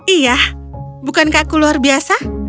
iya bukankah aku luar biasa